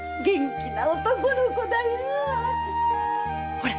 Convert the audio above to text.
ほら！